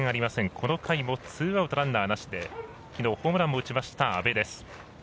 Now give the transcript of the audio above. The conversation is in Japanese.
この回もツーアウト、ランナーなしできのう、ホームランを打った阿部です。